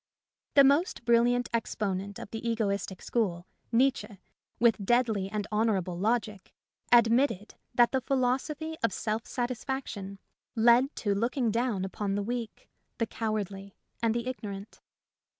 The most brilliant exponent of the egoistic school, Nietszche, with deadly and honourable logic, admitted that the philosophy of self satisfaction led to look ing down upon the weak, the cowardly, and the ignorant.